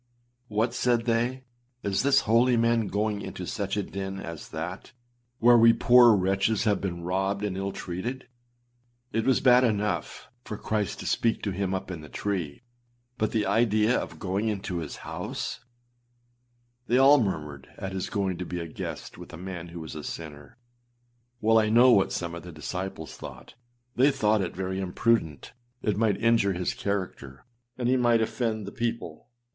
âWhat!â said they, âIs this holy man going into such a den as that, where we poor wretches have been robbed and ill treated. It was bad enough for Christ to speak to him up in the tree, but the idea of going into his house!â They all murmured at his going to be âa guest with a man who was a sinner.â Well, I know what some of his disciples thought: they thought it very imprudent; it might injure his character, and he might offend the people.